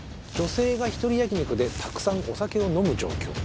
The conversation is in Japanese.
「女性が１人焼き肉でたくさんお酒を飲む状況。